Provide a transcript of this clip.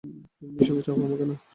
তুমি বিশুকে চাও, আমাকে না।